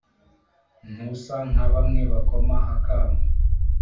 ntusa nka bamwe bakoma akamu